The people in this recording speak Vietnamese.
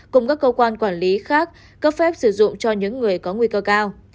cùng các cơ quan quản lý khác cấp phép sử dụng cho những người có nguy cơ cao